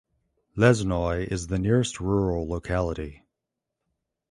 Lesnoy is the nearest rural locality.